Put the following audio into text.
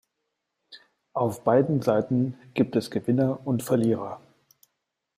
Auf beiden Seiten gibt es Gewinner und Verlierer.